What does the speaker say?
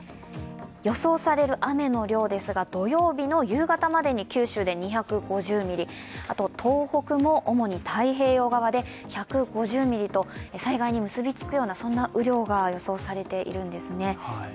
予想される雨の量ですが、土曜日の夕方までに九州で２５０ミリ、あと東北も主に太平洋側で１５０ミリと災害に結びつくような雨量が予想されているんですね。